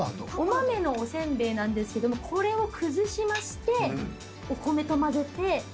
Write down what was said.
お豆のお煎餅なんですけどもこれを崩しましてお米とまぜて。